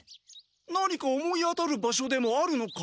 何か思い当たる場所でもあるのか？